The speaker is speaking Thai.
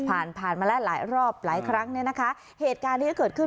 ผ่านผ่านมาแล้วหลายรอบหลายครั้งเนี่ยนะคะเหตุการณ์นี้ก็เกิดขึ้น